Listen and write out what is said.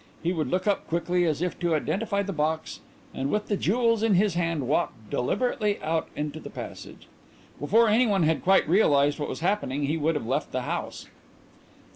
He would look up quickly as if to identify the box, and with the jewels in his hand walk deliberately out into the passage. Before anyone had quite realized what was happening he would have left the house.